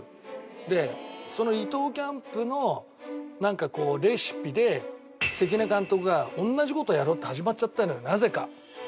でその伊東キャンプのなんかこうレシピで関根監督が同じ事をやろうって始まっちゃったのよなぜか。